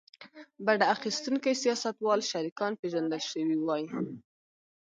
بډه اخیستونکي سیاستوال شریکان پېژندل شوي وای.